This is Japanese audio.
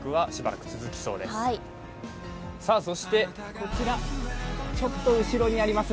こちら、ちょっと後ろにあります